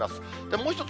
もう一つ